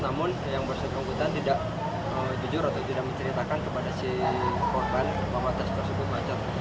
namun yang bersangkutan tidak jujur atau tidak menceritakan kepada si korban bahwa tas tersebut macet